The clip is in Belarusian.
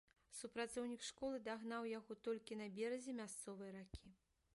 Супрацоўнік школы дагнаў яго толькі на беразе мясцовай ракі.